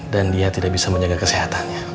dan dia tidak bisa menjaga kesehatannya